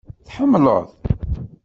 Tḥemmleḍ?